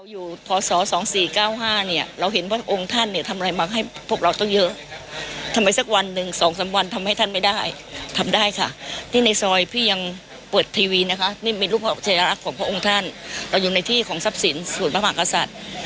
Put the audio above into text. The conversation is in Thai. อยู่ในที่ของทรัพย์สินศูนย์พระมังกษัตริย์